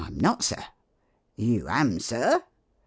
I'm not, Sir." "You am. Sir